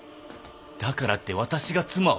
だからって私が妻を？